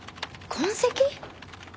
痕跡？